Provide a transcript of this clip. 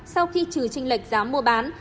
sau khi trừ trình lệch giá mua bán